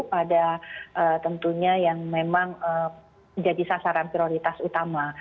pada tentunya yang memang menjadi sasaran prioritas utama